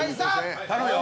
頼むよ。